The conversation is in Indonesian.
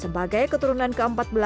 sebagai keturunan ke empat belas